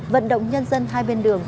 vận động nhân dân hai bên đường